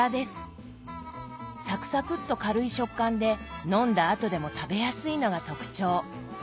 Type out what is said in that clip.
サクサクッと軽い食感で飲んだあとでも食べやすいのが特徴。